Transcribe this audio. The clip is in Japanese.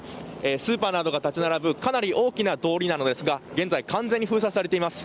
スーパーなどが立ち並ぶかなり大きな通りなのですが現在、完全に封鎖されています。